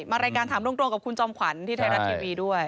รายการถามตรงกับคุณจอมขวัญที่ไทยรัฐทีวีด้วย